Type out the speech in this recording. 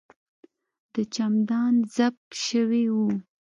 د چمدان زپ شوی و.